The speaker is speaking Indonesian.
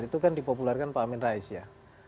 itu kan dipopulerkan pak amin rais ya